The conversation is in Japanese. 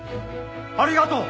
ありがとう！